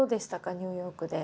ニューヨークで。